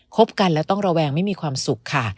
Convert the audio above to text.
บกันแล้วต้องระแวงไม่มีความสุขค่ะ